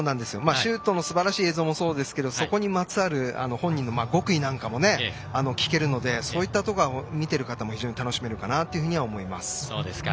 シュートのすばらしい映像もそうですがそこにまつわる本人の極意なんかも聞けるので、そういったところは見ている方も非常に楽しめるかなと思います。